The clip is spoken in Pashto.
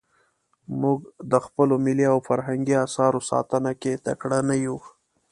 موږ د خپلو ملي او فرهنګي اثارو ساتنه کې تکړه نه یو.